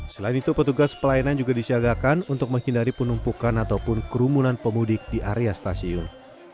selain itu petugas pelayanan juga disiagakan untuk menghindari penumpukan ataupun kerumunan pemudik di area stasiun